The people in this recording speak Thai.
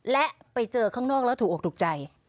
และไปเจอข้างนอกแล้วถูกตรงใจ